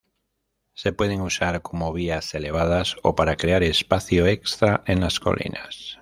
Se pueden usar como vías elevadas, o para crear espacio extra en las colinas.